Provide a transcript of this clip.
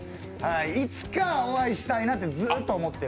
いつかお会いしたいなとずっと思ってる。